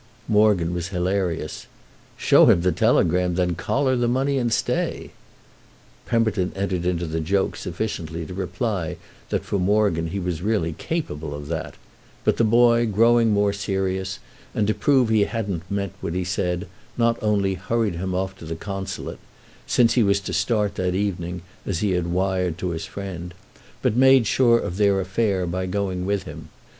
Morgan was hilarious. "Show him the telegram—then collar the money and stay!" Pemberton entered into the joke sufficiently to reply that for Morgan he was really capable of that; but the boy, growing more serious, and to prove he hadn't meant what he said, not only hurried him off to the Consulate—since he was to start that evening, as he had wired to his friend—but made sure of their affair by going with him.